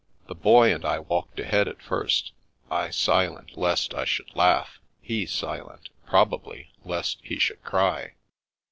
The Boy and I walked ahead at first ; I silent lest I should laugh, he silent — ^probably — lest he should cry.